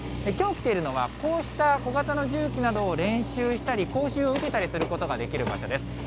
きょう来ているのは、こうした小型の重機などを練習したり、講習を受けたりすることができる場所です。